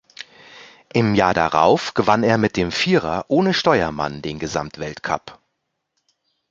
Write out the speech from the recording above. Im Jahr darauf gewann er mit dem Vierer ohne Steuermann den Gesamtweltcup.